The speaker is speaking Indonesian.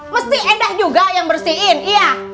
mesti endah juga yang bersihin iya